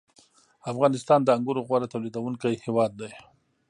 • افغانستان د انګورو غوره تولیدوونکی هېواد دی.